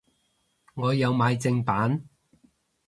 我有買正版